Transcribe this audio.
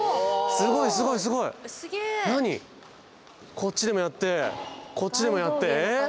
こっちでもやってこっちでもやってええ？